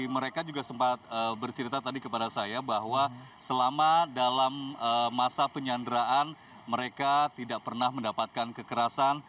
mereka juga sempat bercerita tadi kepada saya bahwa selama dalam masa penyanderaan mereka tidak pernah mendapatkan kekerasan